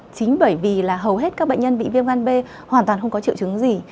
chính bởi vì là hầu hết các bệnh nhân bị viêm gan b hoàn toàn không có triệu chứng gì